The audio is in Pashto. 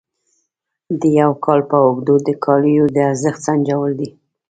د یو کال په اوږدو د کالیو د ارزښت سنجول دي.